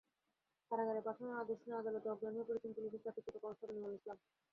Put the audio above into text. কারাগারে পাঠানোর আদেশ শুনে আদালতে অজ্ঞান হয়ে পড়েছেন পুলিশের চাকরিচ্যুত কনস্টেবল নুরুল ইসলাম।